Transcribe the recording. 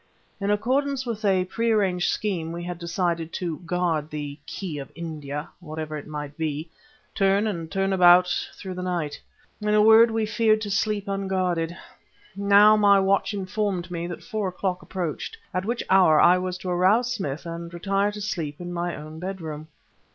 In accordance with a pre arranged scheme we had decided to guard "the key of India" (whatever it might be) turn and turn about through the night. In a word we feared to sleep unguarded. Now my watch informed me that four o'clock approached, at which hour I was to arouse Smith and retire to sleep to my own bedroom.